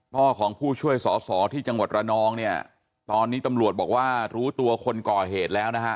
พ่อของผู้ช่วยสอสอที่จังหวัดระนองเนี่ยตอนนี้ตำรวจบอกว่ารู้ตัวคนก่อเหตุแล้วนะฮะ